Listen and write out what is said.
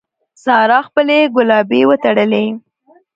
سارا خپلې ګرالبې وتړلې.